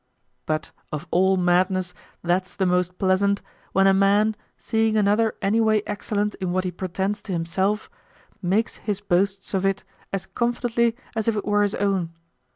But of all madness that's the most pleasant when a man, seeing another any way excellent in what he pretends to himself, makes his boasts of it as confidently as if it were his own.